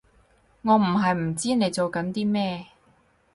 我唔係唔知你做緊啲咩